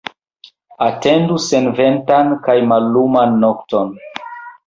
Atendu senventan kaj malluman nokton.